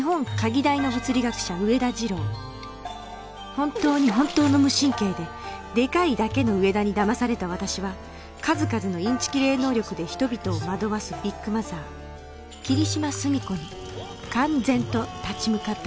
本当に本当の無神経ででかいだけの上田に騙された私は数々のインチキ霊能力で人々を惑わすビッグマザー霧島澄子に敢然と立ち向かったのです